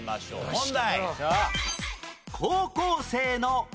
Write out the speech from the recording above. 問題。